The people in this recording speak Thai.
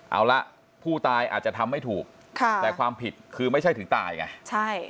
เอาละผู้ตายอาจจะทำไม่ถูกค่ะแต่ความผิดคือไม่ใช่ถึงตายไงใช่